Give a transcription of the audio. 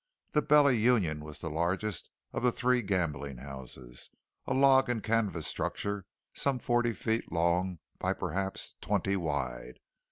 The Bella Union was the largest of the three gambling houses a log and canvas structure some forty feet long by perhaps twenty wide.